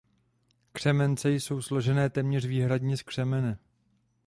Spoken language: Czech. Křemence jsou složené téměř výhradně z křemene.